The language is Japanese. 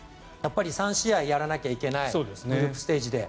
３試合やらなきゃいけないグループステージで。